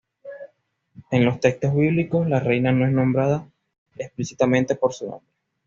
En los textos bíblicos, la reina no es nombrada explícitamente por su nombre.